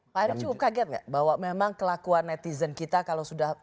pak erick cukup kaget nggak bahwa memang kelakuan netizen kita kalau sudah